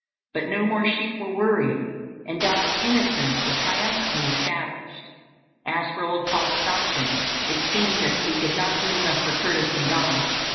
But no more sheep were worried, and Don's innocence was triumphantly established. As for old Paul Stockton, it seemed as if he could not do enough for Curtis and Don.